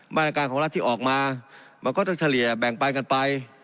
มาตรการของรัฐที่ออกมามันก็ต้องเฉลี่ยแบ่งปันกันไป